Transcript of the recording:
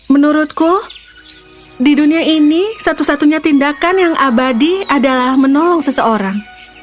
menurutku di dunia ini satu satunya tindakan yang abadi adalah menolong seseorang